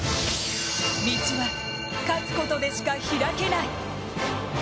道は勝つことでしか開けない。